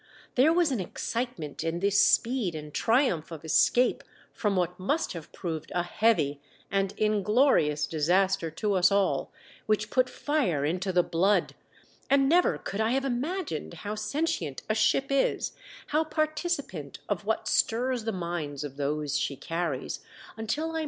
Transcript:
There was an excitement in this speed and triumph of escape from what must have proved a heavy and inglorious disaster to us all which put fire into the blood, and never could I have imagined how sentient a ship is, how participent of what stirs the minds of those she carries, until I WE ARE CHASED AND NEARLY CAPTURED.